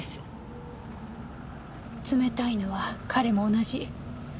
冷たいのは彼も同じ。